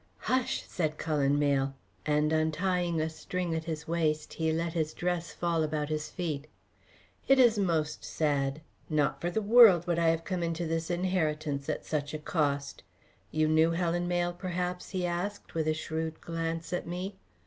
"Hush!" said Cullen Mayle, and untying a string at his waist he let his dress fall about his feet. "It is most sad. Not for the world would I have come into this inheritance at such a cost. You knew Helen Mayle, perhaps?" he asked, with a shrewd glance at me.